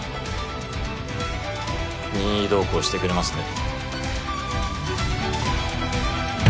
任意同行してくれますね？